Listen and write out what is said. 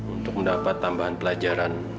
untuk mendapat tambahan pelajaran